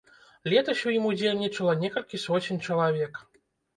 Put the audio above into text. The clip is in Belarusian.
Летась у ім удзельнічала некалькі соцень чалавек.